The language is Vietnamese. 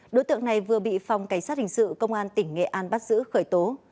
đối tượng này vừa bị phòng cảnh sát hình sự công an tỉnh nghệ an bắt giữ khởi tố